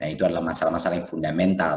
itu adalah masalah masalah yang fundamental